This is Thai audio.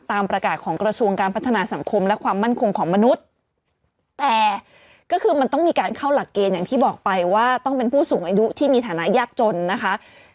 ตามประกาศของกระทรวงการพัฒนาสังคมและความมั่นคงของมนุษย์แต่ก็คือมันต้องมีการเข้าหลักเกณฑ์อย่างที่บอกไปว่าต้องเป็นผู้สูงอายุที่มีฐานะยากจนนะคะ